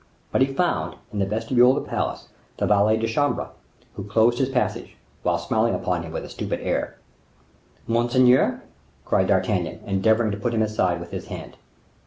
But he found, in the vestibule of the palace, the valet de chambre, who closed his passage, while smiling upon him with a stupid air. "Monseigneur?" cried D'Artagnan, endeavoring to put him aside with his hand.